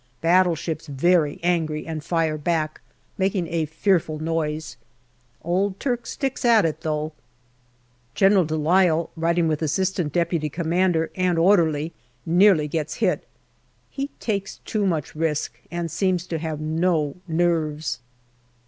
Battleships very angry and fire back, making a fearful noise. Old Turk sticks at it, though. 264 GALLIPOLI DIARY General de Lisle, riding with A.D.C. and orderly, nearly gets hit. He takes too much risk and seems to have no nerves.